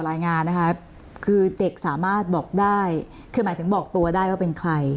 รายงานนะคะคือเด็กสามารถบอกได้คือหมายถึงบอกตัวได้ว่าเป็นใคร